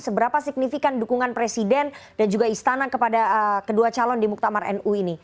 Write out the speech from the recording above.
seberapa signifikan dukungan presiden dan juga istana kepada kedua calon di muktamar nu ini